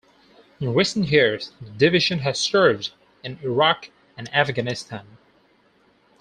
In recent years, the division has served in Iraq and Afghanistan.